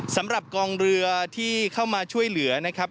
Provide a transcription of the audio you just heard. สำหรับกองเรือที่เข้ามาช่วยเหลือนะครับ